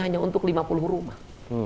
hanya untuk lima puluh rumah